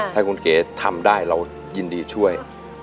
ถ้าคุณเก๋ทำได้เรายินดีช่วย